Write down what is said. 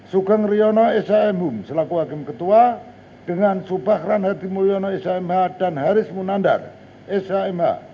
sugeng riona s a m hum selaku hakim ketua dengan subahran hatimul riona s a m h dan haris munandar s a m h